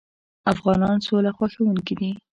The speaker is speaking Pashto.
افغانان سوله خوښوونکي دي.